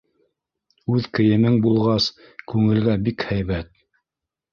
Үҙ кейемең булғас, күңелгә бик һәйбәт.